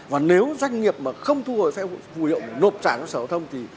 và nếu doanh nghiệp mà không thu hồi phù hữu để nộp trả cho sở thông thì